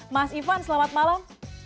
mas ivan selamat malam